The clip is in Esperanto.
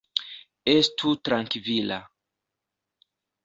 Estu trankvila.